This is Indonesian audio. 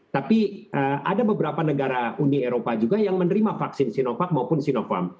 tapi ada beberapa negara uni eropa juga yang menerima vaksin sinovac maupun sinopharm